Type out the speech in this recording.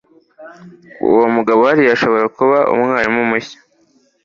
Uwo mugabo hariya ashobora kuba umwarimu mushya.